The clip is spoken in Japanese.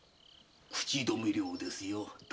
口止め料ですよ旦那様。